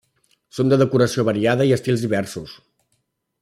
Són de decoració variada i estils diversos.